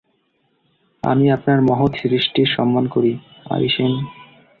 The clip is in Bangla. আমি আপনার মহৎ সৃষ্টির সম্মান করি, আরিশেম।